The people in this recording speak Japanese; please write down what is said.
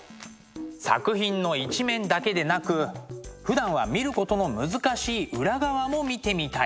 作品の一面だけでなくふだんは見ることの難しい裏側も見てみたい。